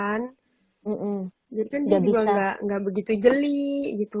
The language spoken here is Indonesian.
jadi kan jadwal nggak begitu jeli gitu